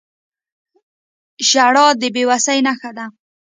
• ژړا د بې وسۍ نښه ده.